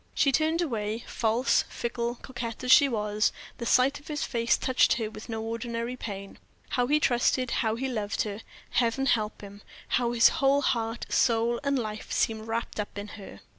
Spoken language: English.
She turned away; false, fickle, coquette as she was, the sight of his face touched her with no ordinary pain. How he trusted, how he loved her! Heaven help him! how his whole heart, soul, and life seemed wrapped up in her.